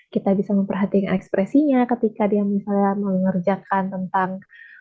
kita bisa memperhatikan ekspresinya ketika dia misalnya mengerjakan tentang